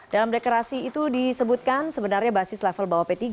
dalam deklarasi itu disebutkan sebenarnya basis level bawah p tiga